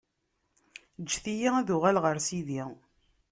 ǧǧet-iyi ad uɣaleɣ ɣer sidi.